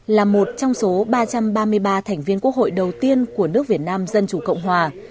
là một trong số ba trăm ba mươi ba thành viên quốc hội đầu tiên của nước việt nam dân chủ cộng hòa